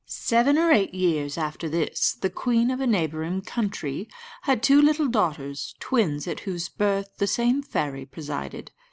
Seven or eight years after this, the queen of a neighbouring country had two little daughters, twins, at whose birth the same fairy presided.